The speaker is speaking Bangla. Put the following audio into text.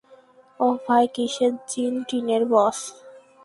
ওহ্ ভাইয়া, কীসের জ্বীন - টিনের বশ।